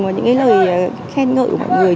và những cái lời khen ngợi của mọi người